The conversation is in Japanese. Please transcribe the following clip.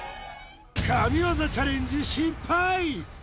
神業チャレンジ失敗！